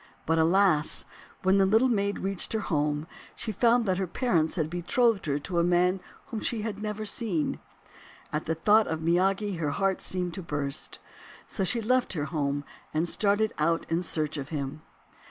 But alas! when the Little Maid reached her home she found that her parents had betrothed her to a man whom she had never seen. At the thought of Miyagi her heart seemed to burst. So she left her home, and started out in search of him.